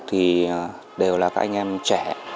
thì đều là các anh em trẻ